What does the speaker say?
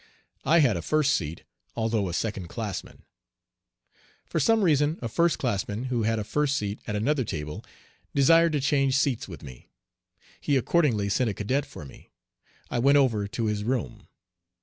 I had a first seat, although a second classman. For some reason a first classman, who had a first seat at another table, desired to change seats with me. He accordingly sent a cadet for me. I went over to his room.